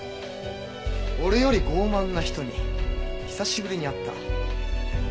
俺より傲慢な人に久しぶりに会った。